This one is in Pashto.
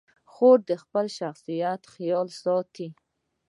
خور د خپل شخصیت خیال ساتي.